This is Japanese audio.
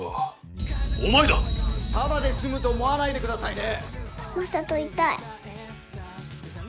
ただで済むと思わないで下さいね。